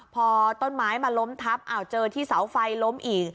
พอต้นไม้มาล้มทับเจอที่เสาไฟล้มอีก